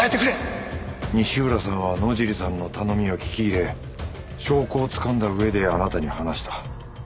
西浦さんは野尻さんの頼みを聞き入れ証拠をつかんだ上であなたに話した。